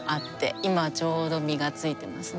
今ちょうど実がついてますね。